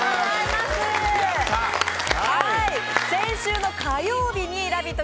先週の火曜日に「ラヴィット！」